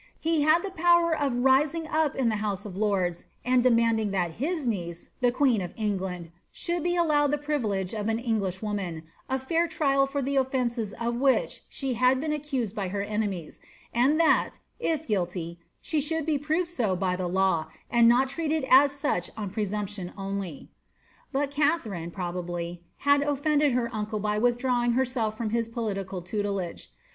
He had the power of rising up in the house of lords, and demanding that his niece, the queen of England, should be allowed the privilege of an English woman, a fair trial for the offences of which she had been accused by her enemies, and that, if guilty, she should be proved so by the law, and not treated as such on presumption only. But Katharine, probably, had offended her uncle by withdrawing her self from his political tutelage.